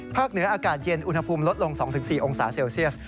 เหนืออากาศเย็นอุณหภูมิลดลง๒๔องศาเซลเซียส